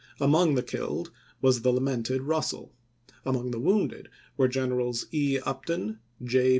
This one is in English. Among the killed was the lamented Russell ; among the wounded were Gen erals E. Upton, J.